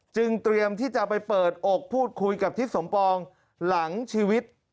เตรียมที่จะไปเปิดอกพูดคุยกับทิศสมปองหลังชีวิต